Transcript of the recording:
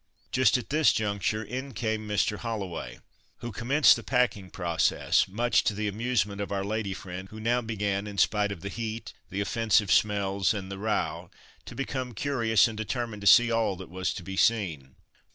Just at this juncture in came Mr. Holloway, who commenced the packing process, much to the amusement of our lady friend, who now began, in spite of the heat, the offensive smells, and the row, to become curious, and determined to see all that was to be seen.